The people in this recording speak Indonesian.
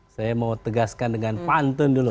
saya mau tegaskan dengan pantun dulu